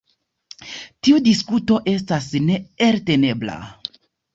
Tiu diskuto estas neeltenebla.